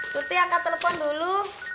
tuti akan telepon dulu